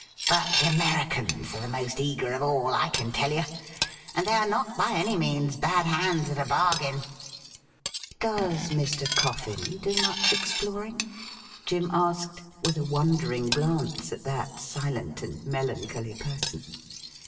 But the Americans are the most eager of all, I can tell you, and they are not by any means bad hands at a bargain.' ' Does Mr. Coffin do much exploring .?' Jim asked, with a wondering glance at that silent and melancholy person.